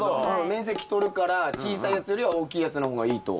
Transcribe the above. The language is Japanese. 面積とるから小さいやつよりは大きいやつの方がいいと。